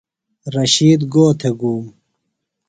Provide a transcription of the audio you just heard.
رشید گو تھےۡ گُوم؟